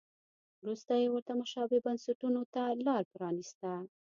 وروسته یې ورته مشابه بنسټونو ته لار پرانیسته.